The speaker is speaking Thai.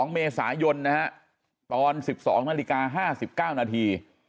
๒เมษายนนะฮะตอน๑๒นาฬิกา๕๙นาที